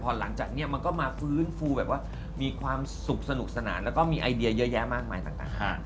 หลังจากนี้มันก็มาฟื้นฟูแบบว่ามีความสุขสนุกสนานแล้วก็มีไอเดียเยอะแยะมากมายต่าง